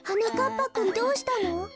ぱくんどうしたの？